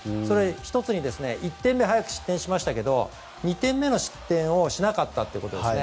１つに、１点目早く失点しましたけど２点目の失点をしなかったことですね。